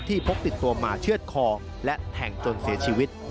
พกติดตัวมาเชื่อดคอและแทงจนเสียชีวิต